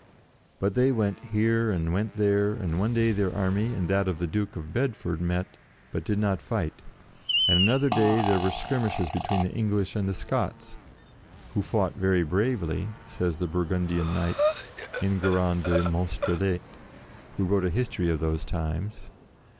But they went here and went there, and one day their army and that of the Duke of Bedford met, but did not fight; and another day there were skir mishes between the English and the Scots, "who fought very bravely," says the Bur gundian knight, Enguerrand de Monstrelet, who wrote a history of those times.